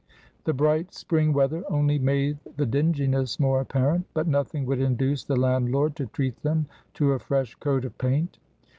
The bright spring weather only made the dinginess more apparent, but nothing would induce the landlord to treat them to a fresh coat of paint.